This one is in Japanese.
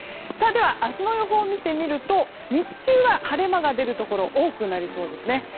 では明日の予報を見てみると日中は晴れ間が出るところが多くなりそうです。